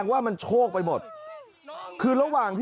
ประเภทประเภทประเภท